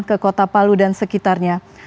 ke kota palu dan sekitarnya